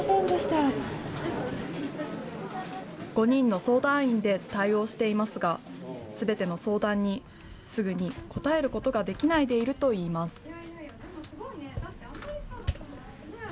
５人の相談員で対応していますが、すべての相談にすぐに応えることができないでいるといいます。